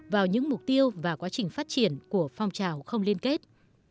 vào những mục tiêu và quá trình phát triển của phong trào không liên kết